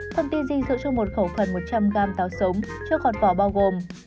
thông tin gì dựa trong một khẩu phần một trăm linh g táo sống trước hòn vỏ bao gồm